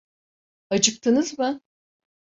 Acıktınız mı?